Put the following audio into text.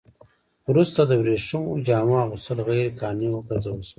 وروسته د ورېښمينو جامو اغوستل غیر قانوني وګرځول شول.